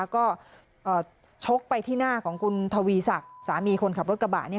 ก็ชกไปที่หน้าของคุณทวีศักดิ์สามีคนขับรถกระบะ